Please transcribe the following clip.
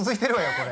これ。